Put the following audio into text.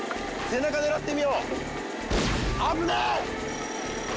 背中狙ってみよう危ない！